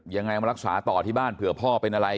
ยังไงเอามารักษาต่อที่บ้านเผื่อพ่อเป็นอะไร